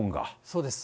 そうです。